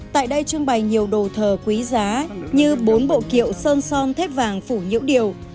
tại đây trưng bày nhiều đồ thờ quý giá như bốn bộ kiệu sơn son thép vàng phủ nhiễu điều